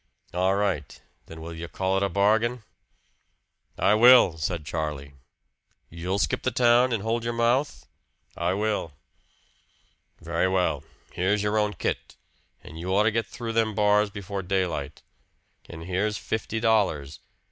"All right. Then will you call it a bargain?" "I will," said Charlie. "You'll skip the town, and hold your mouth?" "I will." "Very well. Here's your own kit and you ought to get through them bars before daylight. And here's fifty dollars.